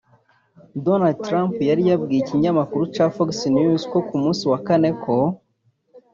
Donald Trump yari yabwiye ikinyamakuru ca Fox News ku musi wa kane ko